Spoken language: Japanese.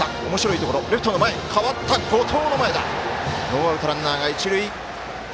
ノーアウト、ランナーが一塁。